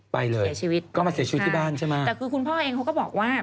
ไปเลยก็มาเสียชีวิตที่บ้านใช่ไหมค่ะค่ะแต่คือคุณพ่อเองเขาก็บอกว่า